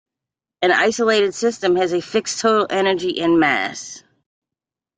An isolated system has a fixed total energy and mass.